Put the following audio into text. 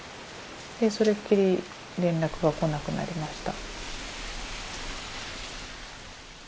でそれっきり連絡が来なくなりました。